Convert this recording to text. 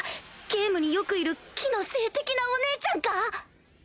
ゲームによくいる木の精的なお姉ちゃんか？